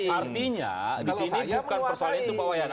artinya di sini bukan persalahan itu pak woyan